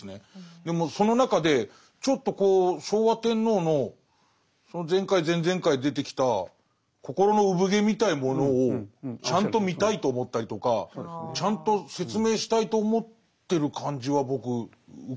でもその中でちょっと昭和天皇の前回前々回出てきた「心の生ぶ毛」みたいなものをちゃんと見たいと思ったりとかちゃんと説明したいと思ってる感じは僕受けますね。